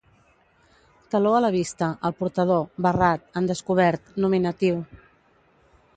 Taló a la vista, al portador, barrat, en descobert, nominatiu.